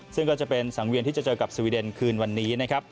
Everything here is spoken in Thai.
ซึ่งก็จะเป็นสังเวียนที่จะเจอกับสวีเดนคืนวันนี้นะครับ